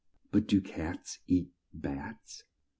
But do cats eat bats?"